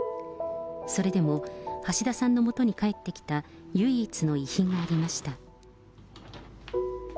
それでも、橋田さんのもとに返ってきた唯一の遺品がありました。